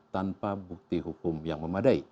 tanpa bukti hukum yang memadai